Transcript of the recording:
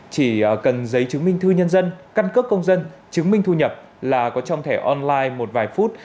chỉ cần giấy chứng minh thư nhân dân căn cước công dân chứng minh thu nhập là có trong thẻ online một vài phút